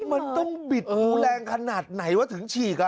มันต้องบิดหูแรงขนาดไหนวะถึงฉีก